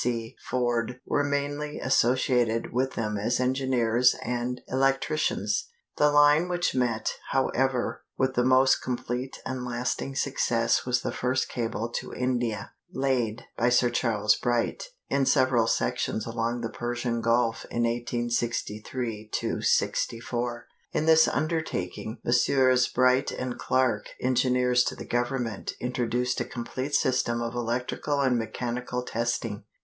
C. Forde were mainly associated with them as engineers and electricians. The line which met, however, with the most complete and lasting success was the first cable to India, laid (by Sir Charles Bright) in several sections along the Persian Gulf in 1863 '64. In this undertaking Messrs. Bright & Clark (engineers to the Government) introduced a complete system of electrical and mechanical testing.